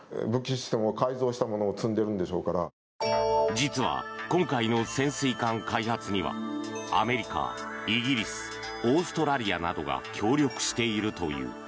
実は、今回の潜水艦開発にはアメリカ、イギリスオーストラリアなどが協力しているという。